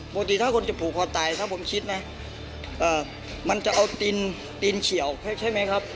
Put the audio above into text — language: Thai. ปกติถ้าคนจะผูกคอตายถ้าผมคิดนะมันจะเอาตีนตีนเฉียวใช่ไหมครับ